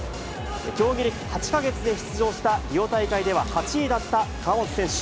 競技歴８か月で出場したリオ大会では８位だった川本選手。